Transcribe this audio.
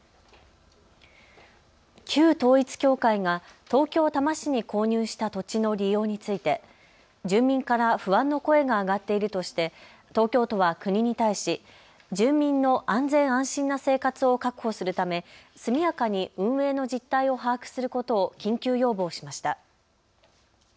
旧統一教会が東京多摩市に購入した土地の利用について住民から不安の声が上がっているとして東京都は国に対し住民の安全・安心な生活を確保するため速やかに運営の実態を把握することを緊急要望しました。